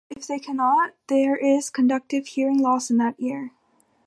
If they cannot, there is conductive hearing loss in that ear.